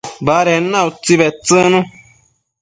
baded na utsi bedtsëcnu